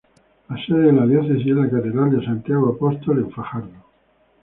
La sede de la Diócesis es la Catedral de Santiago Apóstol en Fajardo.